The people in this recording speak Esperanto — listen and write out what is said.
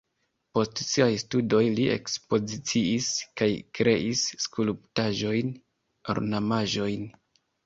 Post siaj studoj li ekspoziciis kaj kreis skulptaĵojn, ornamaĵojn.